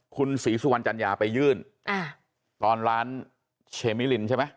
คุณศรีสุวรรณจัญญาไปยื่นตอนร้านเชมิลินใช่ไหม